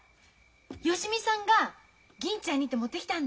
芳美さんが銀ちゃんにって持ってきたんだ。